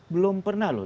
belum pernah loh